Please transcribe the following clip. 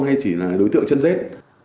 hay chỉ là đối tượng chân rết